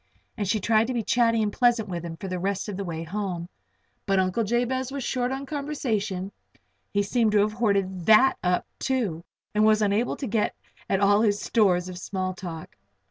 And she tried to be chatty and pleasant with him for the rest of the way home. But Uncle Jabez was short on conversation he seemed to have hoarded that up, too, and was unable to get at his stores of small talk.